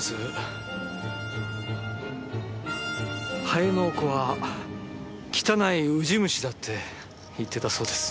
「ハエの子は汚いウジ虫だ」って言ってたそうです。